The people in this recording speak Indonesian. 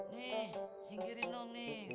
nih singkirin dong nih